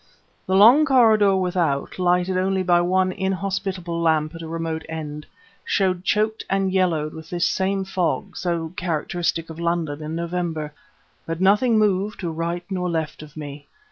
The long corridor without, lighted only by one inhospitable lamp at a remote end, showed choked and yellowed with this same fog so characteristic of London in November. But nothing moved to right nor left of me.